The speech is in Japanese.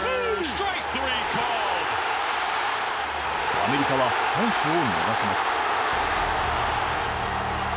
アメリカはチャンスを逃します。